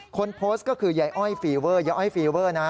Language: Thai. คนโพสต์ก็คือยายอ้อยฟีเวอร์ยายอ้อยฟีเวอร์นะ